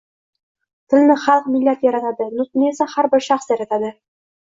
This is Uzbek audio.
Tilni xalq, millat yaratadi, nutqni esa har bir shaxs yaratadi